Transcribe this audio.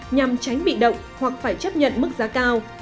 nhằm tránh bị động hoặc phải chấp nhận mức giá cao